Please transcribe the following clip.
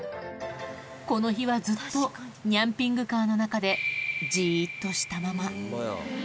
この日はずっとニャンピングカーの中でホンマや。